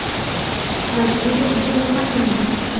hà ni vẫn trương mắt nhìn